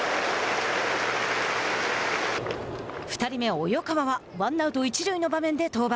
２人目、及川はワンアウト、一塁の場面で登板。